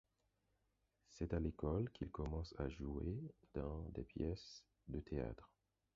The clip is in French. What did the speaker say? C'est à l'école qu'il commence à jouer dans des pièces de théâtre.